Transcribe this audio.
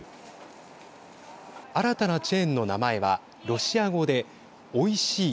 新たなチェーンの名前はロシア語でおいしい。